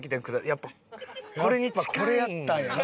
やっぱこれやったんやな。